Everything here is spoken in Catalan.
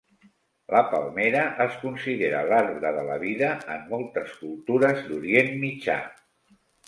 La palmera es considera l'arbre de la vida en moltes cultures d'Orient Mitjà.